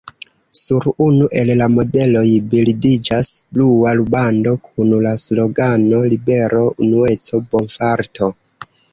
Sur unu el la modeloj bildiĝas blua rubando kun la slogano "libero, unueco, bonfarto".